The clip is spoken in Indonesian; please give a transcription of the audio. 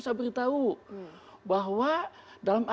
saya beritahu bahwa